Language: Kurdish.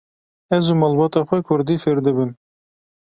Ez û malbata xwe kurdî fêr dibin.